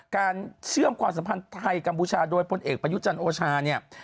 เชื่อมความสัมพันธ์ไทยกัมพูชาโดยพลเอกประยุจันทร์โอชาเนี่ย